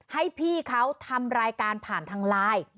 ให้พี่เขาทำรายการผ่านทางไลน์